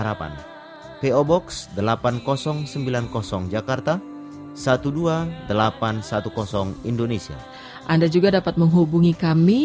andu gerah yang penuh kasih